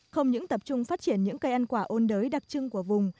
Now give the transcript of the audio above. không những tập trung phát triển những cây ăn quả ôn đới đặc trưng của vùng